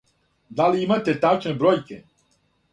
Да ли имате тачне бројке?